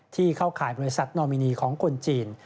เข้าข่ายบริษัทนอมินีของคนจีน